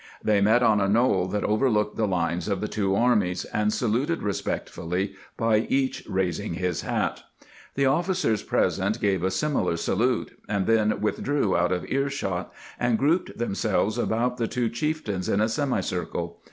They met on a knoll that overlooked the lines of the two armies, and saluted respectfully by each raising his hat. The officers present gave a similar salute, and then withdrew out of ear shot, and grouped themselves about the two chieftains in a semicircle.